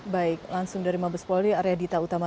baik langsung dari mabes polri arya dita utama